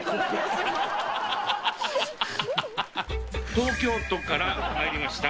東京都から参りました。